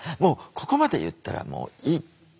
「ここまで言ったらもういい」っていう。